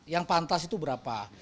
yang pantas itu berapa